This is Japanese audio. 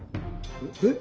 えっ？